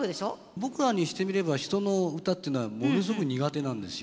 僕らにしてみれば人の歌っていうのはものすごく苦手なんですよ。